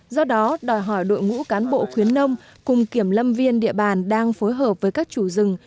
do đó đòi hỏi đội ngũ cán bộ khuyến nông cùng kiểm lâm viên địa bàn đang phối hợp với các chủ rừng